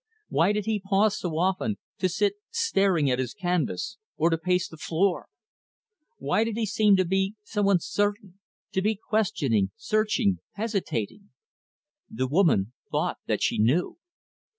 Why did he pause so often, to sit staring at his canvas, or to pace the floor? Why did he seem to be so uncertain to be questioning, searching, hesitating? The woman thought that she knew.